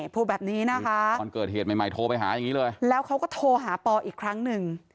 พูดแบบนี้นะคะแล้วเขาก็โทรหาปออีกครั้งนึง